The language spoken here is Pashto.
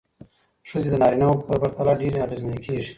ښځې د نارینه وو پرتله ډېرې اغېزمنې کېږي.